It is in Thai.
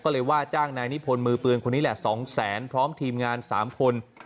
ก็เลยว่าจ้างนายนิพนธ์มือปืนคนนี้แหละ๒แสนพร้อมทีมงาน๓คน